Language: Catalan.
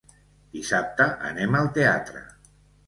Dissabte anem al teatre.